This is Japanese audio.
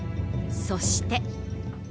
そして。